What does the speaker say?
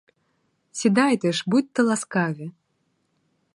Сідайте ж, будьте ласкаві!